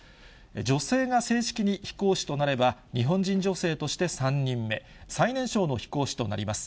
女性が正式に飛行士となれば、日本人女性として３人目、最年少の飛行士となります。